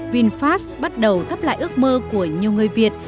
vinfast bắt đầu thắp lại ước mơ của nhiều người việt